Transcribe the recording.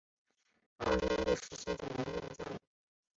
奥地利实施九年义务教育。